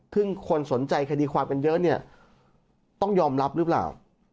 ซึ่งคนสนใจคดีความกันเยอะเนี่ยต้องยอมรับหรือเปล่า